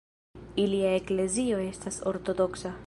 Ilia eklezio estas ortodoksa.